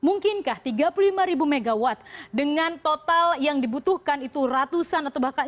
mungkinkah tiga puluh lima ribu megawatt dengan total yang dibutuhkan itu ratusan atau bahkan